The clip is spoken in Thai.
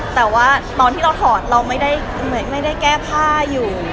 แต่ว่าตอนที่เราถอดเราไม่ได้แก้ผ้าอยู่